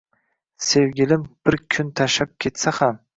Sevgilim bir kuni tashlab ketsa xam